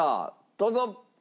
どうぞ！